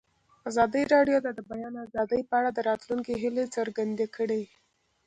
ازادي راډیو د د بیان آزادي په اړه د راتلونکي هیلې څرګندې کړې.